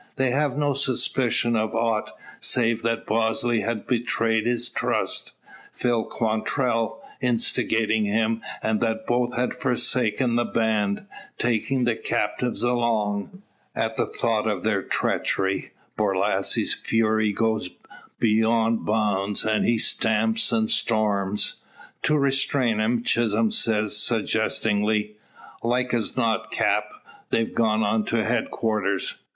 They have no suspicion of aught, save that Bosley has betrayed his trust, Phil Quantrell instigating him, and that both have forsaken the band, taking the captives along. At thought of their treachery Borlasse's fury goes beyond bounds, and he stamps and storms. To restrain him, Chisholm says, suggestingly, "Like as not, Cap', they're gone on to head quarters.